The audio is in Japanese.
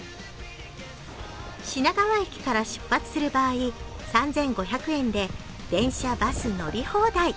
品川駅から出発する場合、３５００円で電車、バス乗り放題。